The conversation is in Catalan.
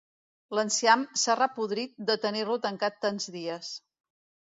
L'enciam s'ha repodrit de tenir-lo tancat tants dies.